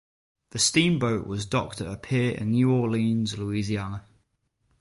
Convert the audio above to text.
The steamboat was docked at a pier in New Orleans, Louisiana.